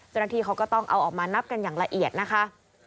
เจ้าหน้าที่เขาก็ต้องเอาออกมานับกันอย่างละเอียดนะคะ